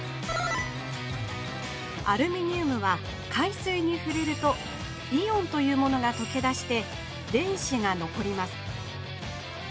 アルミニウムは海水にふれるとイオンというものがとけだして電子がのこります。